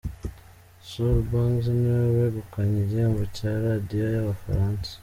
Soul Bang's niwe wegukanye igihembo cya radiyo y'Abafaransa.